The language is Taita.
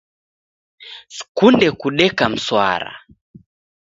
Sikunde kudeka mswara